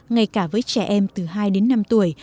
ngay cả với trẻ em từ hai đến năm tuổi